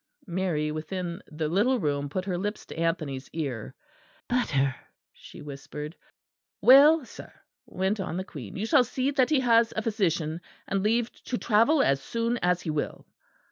(Mary within the little room put her lips to Anthony's ear: "Butter!" she whispered.) "Well, sir," went on the Queen, "you shall see that he has a physician, and leave to travel as soon as he will."